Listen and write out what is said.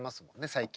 最近。